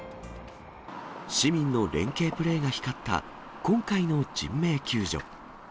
市民の連係プレーが光った今回の人命救助。